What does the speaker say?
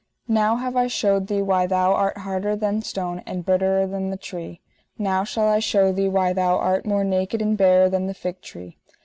Now have I shewed thee why thou art harder than the stone and bitterer than the tree. Now shall I shew thee why thou art more naked and barer than the fig tree.